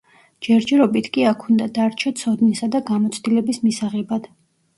ჯერჯერობით კი აქ უნდა დარჩე ცოდნისა და გამოცდილების მისაღებად.